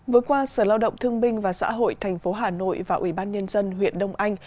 với qua sở lao động thương binh và xã hội tp hà nội và ủy ban nhân dân huyện đông anh